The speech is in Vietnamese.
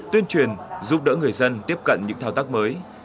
tuyên truyền giúp đỡ người dân tiếp cận những thao tác mới